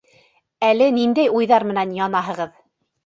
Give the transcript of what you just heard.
— Әле ниндәй уйҙар менән янаһығыҙ?